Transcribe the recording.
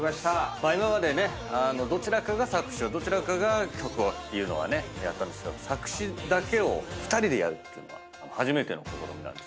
今までねどちらかが作詞をどちらかが曲をっていうのはねやったんですけど作詞だけを２人でやるってのは初めての試みなんですよね。